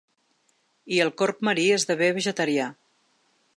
I el corb marí esdevé vegetarià.